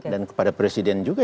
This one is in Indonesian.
dan kepada presiden juga